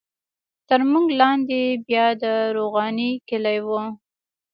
تر موږ لاندې بیا د روغاني کلی وو.